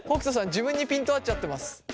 自分にピント合っちゃってます。